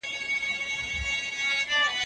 پدغه حديث شريف کي دادي واضح دي.